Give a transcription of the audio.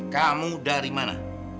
kamu dari mana